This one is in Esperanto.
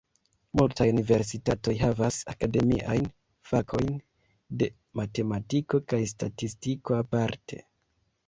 Multaj universitatoj havas akademiajn fakojn de matematiko kaj statistiko aparte.